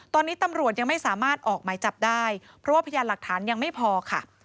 ตอนนี้ตำรวจยังไม่สามารถออกหมายจับได้เพราะว่าพยานหลักฐานยังไม่พอค่ะ